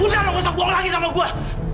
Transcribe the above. udah lo gak usah bohong lagi sama gue